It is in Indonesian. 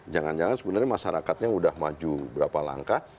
jangan jangan sebenarnya masyarakatnya sudah maju berapa langkah